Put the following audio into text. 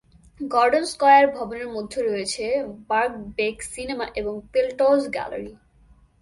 Gordon Square ভবনের মধ্যে রয়েছে বার্কবেক সিনেমা এবং পেল্টজ গ্যালারি।